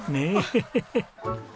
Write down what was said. ヘヘヘッ！